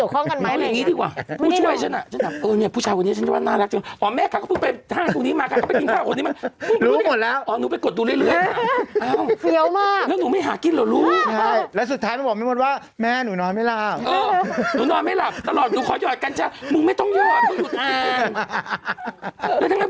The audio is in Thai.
วัดจุลามณีปิดแล้วใช่ไหม